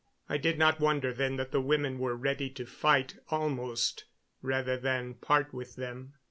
I did not wonder then that the women were ready to fight, almost, rather than part with them.